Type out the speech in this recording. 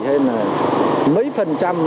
hay là mấy phần trăm